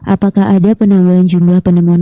apakah ada penambahan jumlah penemuan